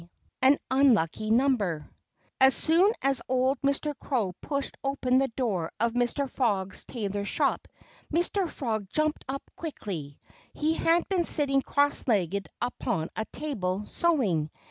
XVIII AN UNLUCKY NUMBER As soon as old Mr. Crow pushed open the door of Mr. Frog's tailor's shop, Mr. Frog jumped up quickly. He had been sitting cross legged upon a table, sewing.